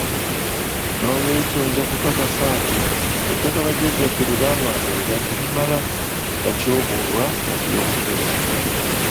N'olwekyo nja kukakasa nti ettaka bajjajjaffe lye balwanirira terimala gatyoboolwa mu by'obufuzi.